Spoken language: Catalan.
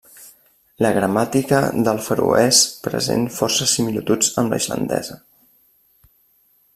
La gramàtica del feroès present força similituds amb la islandesa.